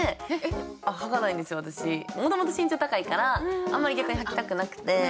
もともと身長高いからあんまり逆に履きたくなくて。